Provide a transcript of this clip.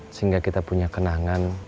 sehingga kita punya kenangan